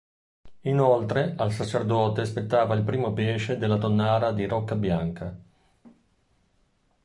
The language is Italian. Inoltre, al Sacerdote spettava il primo pesce della tonnara di Roccabianca.